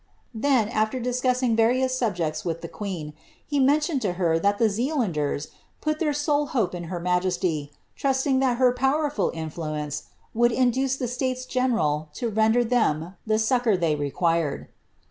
Then, after discussing various subjects with the queen, he mentioned to het that the Zealanders put their sole hope in her majesty, trusting that her powerful influence would induce the States General to render them the succour they required.